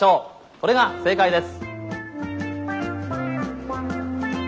これが正解です。